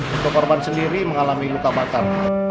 untuk korban sendiri mengalami luka bakar